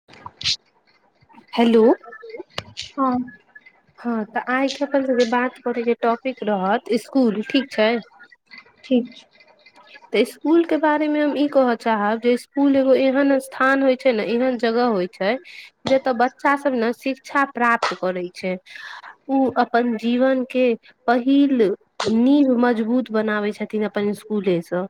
[inaudible] Hello hello हँ हँ तऽ आइ के अपन सब के बात करेके टॉपिक रहत इसकुल ठीक छै ठीक छै तऽ स्कूल के बारे मे हम ई कहय चाहब जे स्कूल एगो एहन स्थान होय छै ने एहन जगह होय छै छै जतऽ बच्चा सब ने शिक्षा प्राप्त करै छै उ अपन जीवन के पहिल नीव मजबूत बनाबै छथिन अपन स्सकुले सँ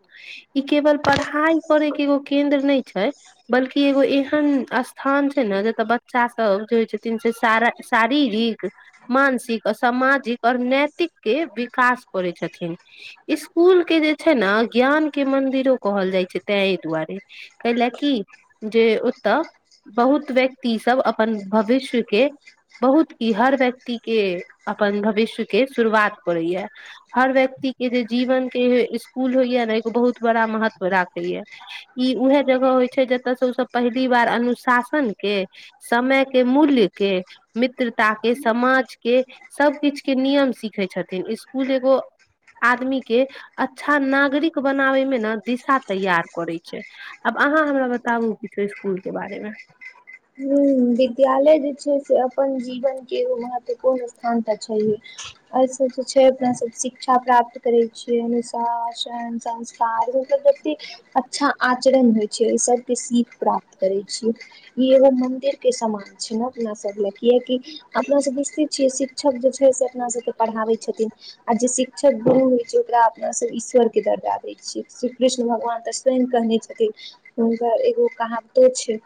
ई केवल पढ़ाई करय के एगो केन्द्र नय छै बल्कि एगो एहन स्थान छै ने जतय बच्चा सब जे होइ छथिन से सारा शारीरिक मानसिक आ सामाजिक और नैतिक के विकास करे छथिन इसकूल के जे छै ने ज्ञान के मंदिरो कहल जाइ छै तेहि दुआरे कहिलए की जे ओता बहुत व्यक्ति सब अपन भविष्य के बहुत की हर व्यक्ति के अपन भविष्य के शुरुआत करैया हर व्यक्ति के जे जीवन के स्कुल होइया ने एगो बहुत बड़ा महत्व राखैए ई उएह जगह होइ छै जतय से ओसभ पहली बार अनुशासन के समय के मूल्य के मित्रता के समाज के सबकछु के नियम सीखे छथिन इकुल एगो आदमी के अच्छा नागरिक बनावे मे ने दिशा तैयार करै छै आब अहाँ हमरा बताबू किछु इसकुल के बारे मे ह विद्यालय जे छै से अपन जीवन के एगो महत्वपूर्ण स्थान त छैये एहिसँ जे छै अपनासभ शिक्षा प्राप्त करैत छियै अनुशासन सांस कार के जते अच्छा आचरण होइ छै ओ सबके सीख प्राप्त करै छीयै इ एगो मंदिर के सामान छै ने अपना सब ले कियाकि अपना सब बुझिते छियै शिक्षक जे छै से अपना सबके पढ़ाबै छथिन आ जे शिक्षक गुरु होइ छै ओकरा अपना सब ईश्वर के दर्जा देय छिए श्री कृष्ण भगवान त स्वं कहने छथिन हुनकर एगो कहावतो छै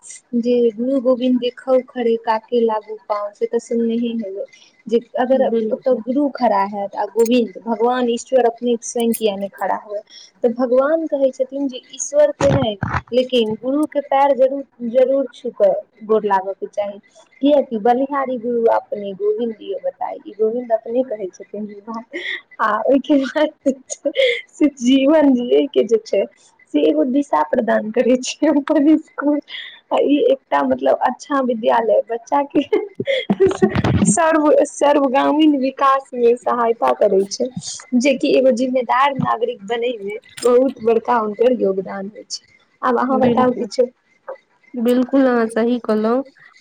जे गुरु गोविन्द देखउ खरे काके लाबू पाउ से तऽ सुनने हैबबई जे अगर ओत बिल्कुल गुरु खड़ा हयत आ गोविन्द भगवान ईश्वर अपने स्वयं किया ने खड़ा हुआ तऽ भगवान कहै छथिन जे ईश्वर के नै लेकिन गुरु के पैर जरूर जरूर छू क गोर लागऽ के चाही किय बनिहारी गुरु अपने गोविन्द जी के बताय कि गोविन्द अपने कहै छै आ ओहि के बाद से जीवन जियै के जे छै से एगो दिशा प्रदान करै छै अपन स्कूल ई एकटा मतलब अच्छा विद्यालय बच्चा के सर्व सर्व गामीण वी विकास मे सहायता करे छै जेकि एगो जिम्मेदार नागरिक बने मे बहुत बड़का हुनकर योगदान होइ छै आब अहाँ बताउ बिलकुल किछो बिलकुल अहाँ सही कहलौ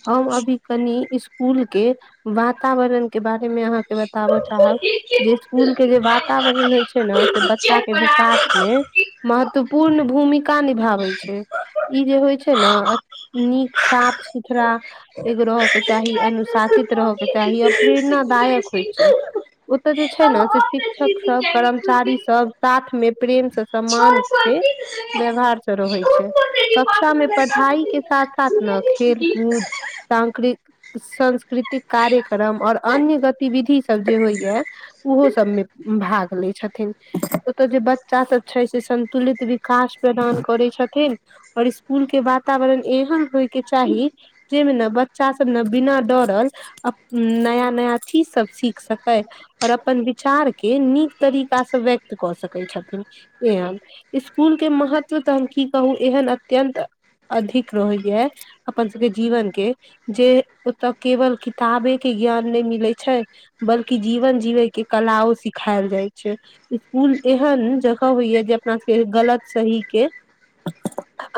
हम अभी कनि इस पूल के वातावरण के बारे मे अहाँके बताबऽ चाहब जे ईस्कुल के जे वातावरण होइ छै ने से बच्चा के विकास मे महत्वपूर्ण भूमिका निभाबे छै ई जे होइ छै ने नीक साफ सुथरा एगो रहय के चाही अनुशासित रहय के चाही अप्रेरणादायक होइ छै ओतऽ जे छै ने से शिक्षक सब कर्मचारी सब साथ मे प्रेम से सम्मान के व्यवहार से रहै छै। कक्षा मे पढ़ाई के साथ साथ न खेल कूद सांकृ सांस्कृतिक कार्यक्रम आओर अन्य गतिविधि सब जे होइए ओहो सबमे भाग लै छथिन ओतय जे बच्चा सब छै से सं तुलित विकास प्रदान करै छथि अओर इसकुल के वातावरण एहन होय के चाही जैमे ने बच्चा सब ने बिना डरल नया नया चीज सब सीख सकै। आओर अपन विचार के नीक तरीकाँ‌स व्यक्त कऽ सकैत छथिन। एहन इसकुल के महत्व तऽ की कहू एहन अत्यन्त अधिक रहैए। अपन सभके जीवन के जे ओतऽ केवल किताबे के ज्ञान नै मिलै छै बल्कि जीवन जीवै के कलाओ सिखाएल जाय छै। इसकुल एहन जगह होइया जे अपना सबके गलत सही के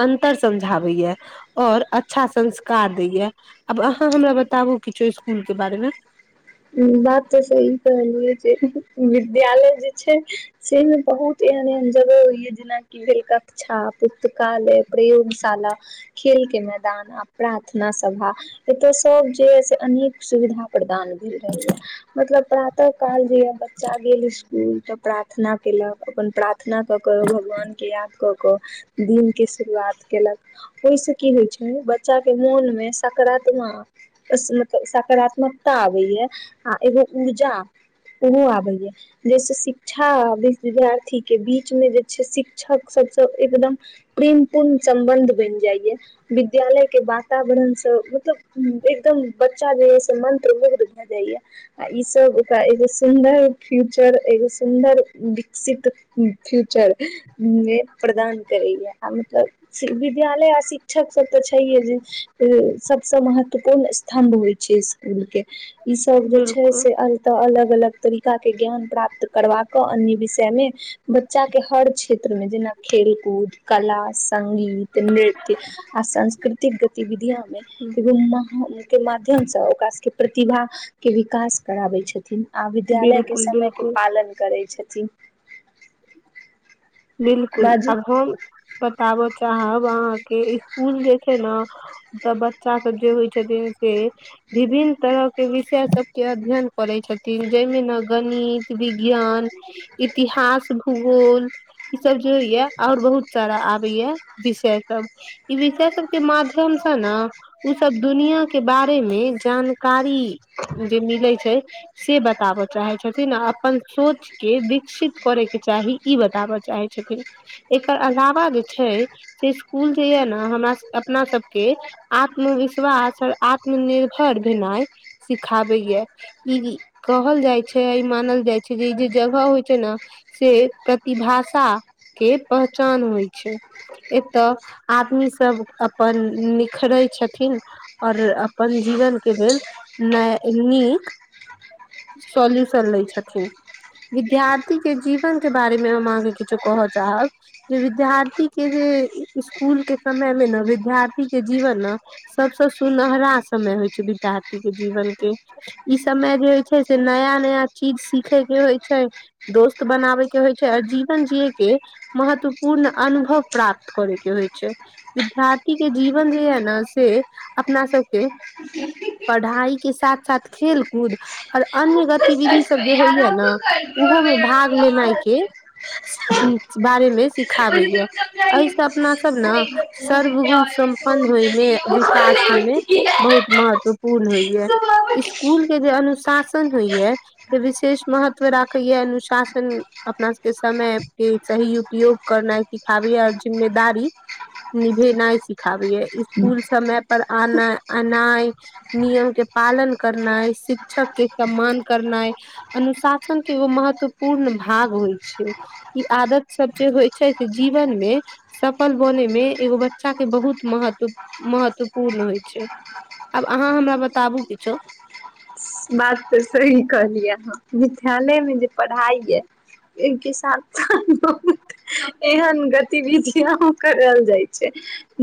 अन्तर समझाबै यऽ। आओर अच्छा संस्कार दैय आब अहाँ हमरा बताबु किछो ईस्कुल के बारेमे हुॅं बात तऽ सही कहलियै जे विद्यालय जे छै। सेमे बहुत एहन एन जगह हइै जेनाकि हेलका शिक्षा पुस्तकालय प्रयोगशाला खेल के मैदान अ प्रार्थना सभा एत सब जे य से अनेक सुविधा प्रदान रह ये मतलब प्रातः काल जे ये बच्चा गेल स्कूल त प्रात प्रार्थना केलक अपन प्रार्थना कऽ कऽ भगवानके याद कऽ कऽ दिन के शुरुआत केलक। ओहिस की होइ छै बच्चा के मोन मे सकारात्मक सकारात्मकता आबैए आ एगो ऊर्जा ओहो आबै यऽ जैसे शिक्षा विध विद्यार्थी के बीचमे जे छै शिक्षक सबसँ एकदम प्रेम पूर्ण सम्बन्ध बैन जाइय। विद्यालय के वातावरण से मतलब एकदम बच्चा जे है से मंत्रमुग्ध जाइए। आ ई सब ओकरा एगो सुन्दर फ्यूचर एगो सुन्दर विकसित फ्यूचर मे प्रदान करै य आ मतलब विद्यालय आ शिक्षक सब तऽ छैहे जे सबसँ महत्वपूर्ण स्तंभ होइ छै। ईस्कुल के ई सब जे छै बिल्कुल से अल तऽ अलग अलग तरीका के ज्ञान प्राप्त करबा कऽ अन्य विषय मे बच्चा‌ के हर क्षेत्रमे जेना खेलकूद कला संगगीत नृत्य आ सांस्कृतिक गतिविधिय मे एगो महाम के माध्यम से ओकशके प्रतिभा के विकास कराबै छथिन। आ विद्यालय के बिल्कुल समय के बिल्कुल पालन करै छथिन। बिलकुल बाजू आब हम बताबय चाहब अहाँके इसकुल जे छै न तऽ बच्चा सब जे होइ छथिन से विभिन्न तरह के विषय सभ के अध्ययन करैत छथिन जाहि मे ने गणित विज्ञान इतिहास, भूगोल ई सब जे होइ या और बहुत सारा आबे या विषय सब ई विषय सबके माध्यम सँ न ओ सब दुनिया के बारे मे जानकारी जे मिलै छै से बताबऽ चाहैत छथिन आ अपन सोच के विकसित करयके चाही ई बताबय चाहै छथिन एकर अलावा जे छै से इ स्कुल जे यए ने हमरा अपना सबके आत्मविश्वास आ आत्मनिर्भर भेनाइ सिखाबैय। ई कहल जाइ छै ई मानल जाइ छै जे ई जे जगह होइ छै न से प्रतिभाषा के पहचान होइ छै। एतऽ आदमी सब अपन निखरे छथिन। ओर अपन जीवन के भेल नय नीक सॉल्यूशन ले छथिन विद्यार्थी के जीवन के बारे मे हम अहके किछु कह चाहब जे विद्यार्थी के जे स्सकुल के समय मे ने विद्यार्थी के जीवन न सबस सुनहरा समय होइ छै विद्यार्थी के जीवन के ई समय जे होइ छै से नया नया चीज सिखे के होइ छै दोस्त बनाबे के होइ छै अजी अपन जीये के महत्वपूर्ण अनुभव प्राप्त करे के होइ छै विद्यार्थी के जीवन जे यै ने से अपना सबके पढ़ाइ के साथ साथ खेल कूद ओर अन्य गतिविधि सब जे होइया ने ओहो मे भाग लेनाइ के बारे मे सिखाबैए समझाएंगे एहिसँ अपना सब न वो एकदम वो सर्व विद्या गुण और वो सम्पन्न होइ नदी वो मे खुद काश नहीं मे उठती है। बहुत महत्वपूर्ण होइ है सुबह स्कूल के जे अनुशासन होइ य जे विशेष महत्व राखैए अनुशासन अपना सब से समय के सही उपयोग करनाइ सिखाबै आ ओर जिम्मेदारी निभेनाइ सिखाबैय इसकुल समय पर आना एनाइ नियम के पालन करनाइ शिक्षक के सम्मान करनाइ अनुशासन के एगो महत्वपूर्ण भाग होइ ई आदत सब जे होइ छै से जीवन मे सफल बनेयमे एगो बच्चा के बहुत महत्व महत्वपूर्ण होइ छै आब अहाँ हमरा बताबु किछो बात तऽ सही कहलियै आहाँ विद्यालय मे जे पढ़ाई य इनके साथ [unintelligible] एहन गतिविधिय करल जाइ छै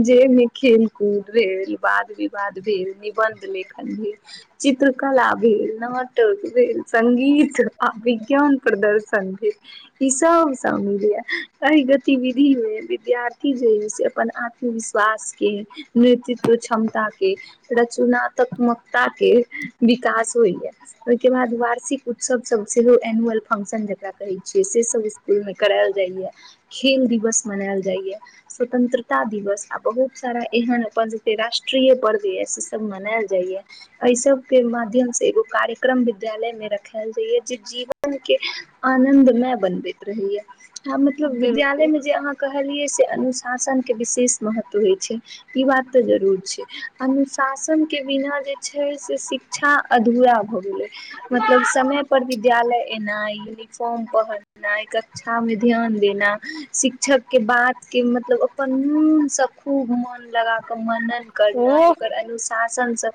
जाहिमे खेल कूद भेल वाद विवाद भेल निबन्ध लेखन भेल चित्रकला नाट भेल सगीत अ वीज्ञान प्रदर्शन भेल ई सब सामिल ह हि गतिविधि मे विद्यार्थी जे ह से अपन आत्मविश्वास के नेतृत्व क्षमता के र चुनात्मकताे के विकास होइय ओहिके बाद वार्षिक उत्सव सब सेहो एनुअल फंक्शन जेकरा कहै छियै से सब [unintelligible] मे करायल जाइया खेल दिवस मनायल जाइया स्वतंत्रता दिवस आ बहुत सारा एहन अपन सब के राष्ट्रीय पर्व यए सेसभ मनायल जाइए एहि सब के माध्यम से एगो कार्यक्रम विद्यालय में रखायल जाइय जे जीवन के आनंद ने बनबैत रहैया ह मतलब विद्यालय बिलकुल मे जे अहाँ कहलियै से अनुशासन के विशेष महत्व होइ छै ई बात तऽ जरूर छै अनुशासन के बिना जे छै से शिक्षा अधूरा भ गेले मतलब समय पर विद्यालय एनाइ फॉर्म [unintelligible] शिक्षा मे ध्यान देना शिक्षक के बात के मतलब अपन मन से खूब मन लगााक मनन ओ करनाइ ओकर अनुशासन से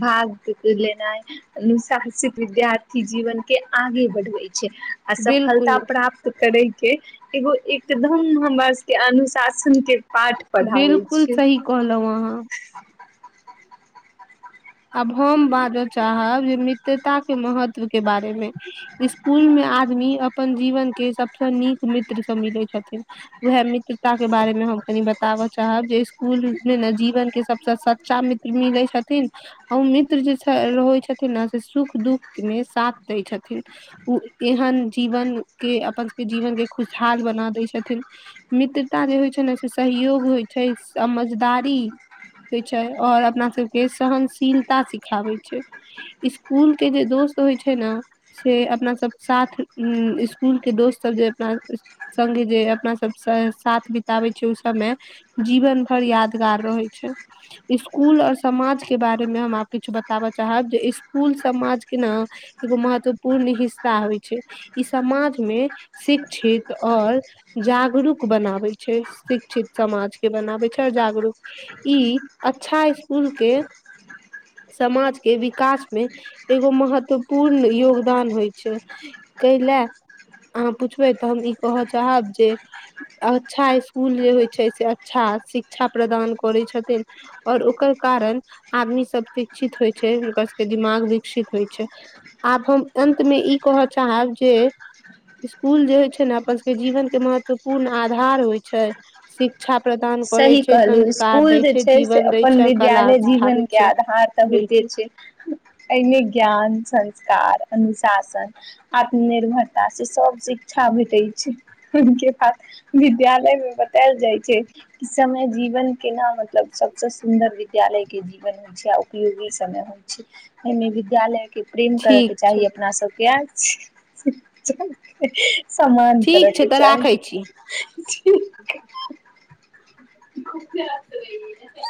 भाग लेनाइ नुसानसिक विद्यार्थी जीवन के आगे बढ़बै छै आ सफलता बिलकुल प्राप्त करेके एगो एकदम हमरा सबके अनुशासन के पाठ पढ़ाबै बिलकुल छै सही कहलहु अहाँ आब हम बाजऽ चाहब जे तैता के महत्व के बारे में स्कूल में आदमी अपन जीवन के सबसे नीक मित्र सब मिलै छथिन उएह मित्रता के बारेमे हम कनि बताबऽ चाहब जे स्कुल मे ने जीवन के सब से सच्चा मित्र मिलै छथिन ओ मित्र जे छ रहै छथिन ने से सुख दुःख मे साथ दय छथिन उ एहन जीवन के अपन सबके जीवन के खुशहाल बना दै छथिन मित्रता जे होइ छै ने से सहियोग होइ छै समझदारी होइ छै और अपना सबके सहनशीलता सिखाबैत छै स्कूल के जे दोस्त होइ छै न से अपना सब साथ स्कूल के दोस्त सब जे अपना संगे जे अपना सब सँ साथ बिताबै छै उ सबमें जीवन भर यादगार रहै छै स्कूल और समाज के बारे में हम आब किछु बताबऽ चाहब जे स्कूल समाज के न एगो महत्वपूर्ण हिस्सा होइ छै ई समाज में शिक्षित और जागरूक बनाबै छै शिक्षित समाज के बनाबै छै और जागरूक ई अच्छा स्कूल के समाज के विकास में एगो महत्वपूर्ण योगदान होइ छै कइला अहाँ पुछबै तऽ हम ई कहअ चाहब जे अच्छा स्कूल जे होइ छै से अच्छा शिक्षा प्रदान करै छथिन और ओकर कारण आदमी सब शिक्षित होइ छै हुनकर सबके दिमाग विकसित होइ छै आब हम अंत में ई कहअ चाहब जे स्कूल जे होइ छै ने अपन सबके जीवन के महत्वपूर्ण आधार होइ छै शिक्षा प्रदान परै सही छै कहलू संस्कार स्कूल दै जे छै से जीवन दै अपन छै और कला विद्यालय जीवन सिखाबै के छै आधार तऽ होइते बिलकुल छै एहिमें ज्ञान, संस्कार, अनुशासन आत्मनिर्भरता से सब शिक्षा भेटै छै हूं के बाद विद्यालय में बतैल जाइ छै इ समय जीवन केना मतलब सब स सुन्दर विद्यालय के जीवन में छै उपयोगी समय होइ छै एहिमें विद्यालय के प्रेम कर के ठीक छै चाही अपना सबके [unintelligible] [unintelligible] सम्मान कर ठीक छै केँ तऽ चाही राखै छी [unintelligible] [unintelligible]